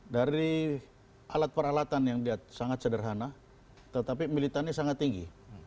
dari alat peralatan yang dia sangat sederhana tetapi militannya sangat tinggi